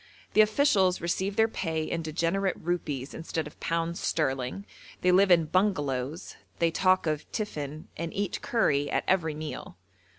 The officials receive their pay in degenerate rupees instead of pounds sterling, they live in 'bungalows,' they talk of 'tiffin,' and eat curry at every meal.